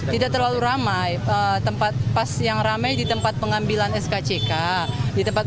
tidak terlalu ramai pas yang ramai di tempat pengambilan skck di tempat pengambilan skck